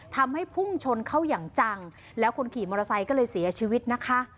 ทำให้พุ่งชนเข้าอย่างจังแล้วคนขี่มอเตอร์ไซค์ก็เลยเสียชีวิตนะคะ